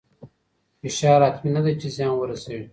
فشار حتمي نه دی چې زیان ورسوي.